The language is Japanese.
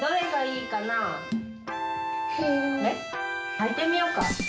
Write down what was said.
はいてみようか。